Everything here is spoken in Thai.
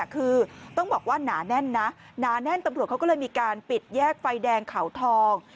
คือต้องบอกว่าหนาแน่นนะหนาแน่นตำรวจเขาก็เลยมีการปิดแยกไฟแดงเขาทอง